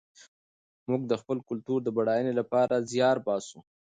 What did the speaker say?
موږ د خپل کلتور د بډاینې لپاره زیار باسو.